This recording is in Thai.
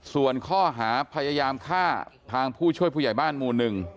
ส่วนข้อหาพยายามฆ่าทางผู้ช่วยผู้ใหญ่บ้านหมู่๑